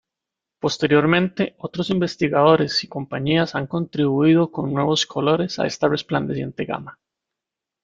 Posteriormente otros investigadores y compañías han contribuido con nuevos colores a esta resplandeciente gama.